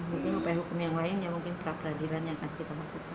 mungkin upaya hukum yang lain ya mungkin peradilan yang akan kita lakukan